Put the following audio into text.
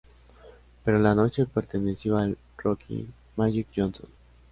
Pero la noche perteneció al "rookie" Magic Johnson.